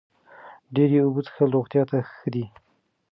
ډېرې اوبه څښل روغتیا ته ښه دي.